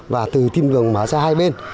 và từ tim đường mở ra hai bên